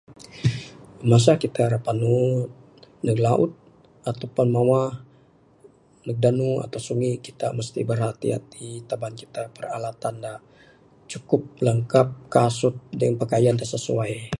Masa kita rak panu neg laut ataupun mawah neg danu ataupun sungi kita mesti rak berhati-hati taban kita peralatan da cukup lengkap kasut dengan pakaian da sesuai.